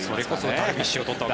ダルビッシュだったり。